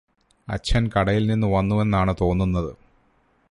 അച്ഛന് കടയില് നിന്ന് വന്നുവെന്നാണ് തോന്നുന്നത്